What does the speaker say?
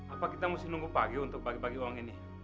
apa kita mesti nunggu pagi untuk bagi bagi uang ini